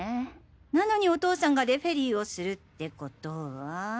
なのにお父さんがレフェリーをするってことは。